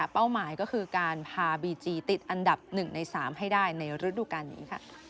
เป้าหมายก็คือการพาบีจีติดอันดับ๑ใน๓ให้ได้ในฤดูการนี้